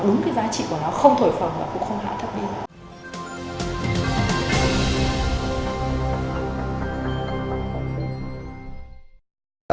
đúng cái giá trị của nó không thổi phẳng và cũng không hạ thấp đi